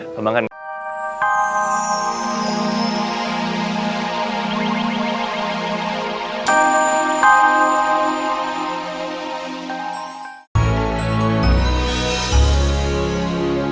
ya udah rom